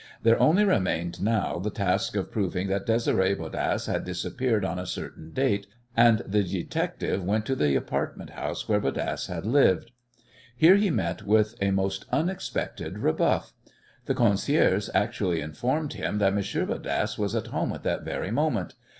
There only remained now the task of proving that Désiré Bodasse had disappeared on a certain date, and the detective went to the apartment house where Bodasse had lived. Here he met with a most unexpected rebuff. The concierge actually informed him that Monsieur Bodasse was at home at that very moment!